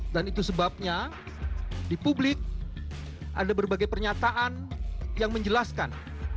dan itu sebabnya di publik ada berbagai pernyataan yang menjelaskan